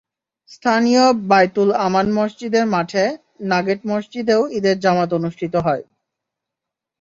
স্থানীয় বায়তুল আমান মসজিদের মাঠে, নাগেট মসজিদেও ঈদের জামাত অনুষ্ঠিত হয়।